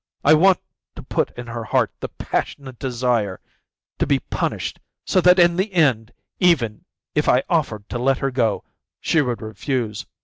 I want to put in her heart the passionate desire to be punished so that at the end, even if I offered to let her go, she would refuse.